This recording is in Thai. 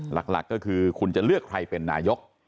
หลักก็คือคุณจะเลือกใครเป็นนายก